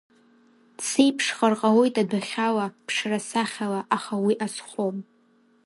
Дсеиԥшхар ҟалоит адәахьала, ԥшра-сахьала, аха уи азхом.